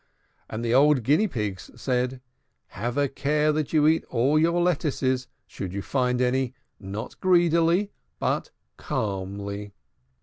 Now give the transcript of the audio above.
And the old Guinea Pigs said, "Have a care that you eat your lettuces, should you find any, not greedily, but calmly."